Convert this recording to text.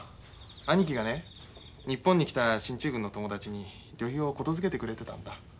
兄貴がね日本に来た進駐軍の友達に旅費を言づけてくれてたんだ。